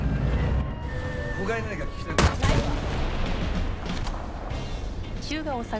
他に何か聞きたい事は？ないわ！